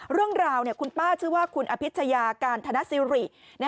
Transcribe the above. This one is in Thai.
เรื่องราวคุณป้าชื่อว่าคุณอภิชยาการธนสิริ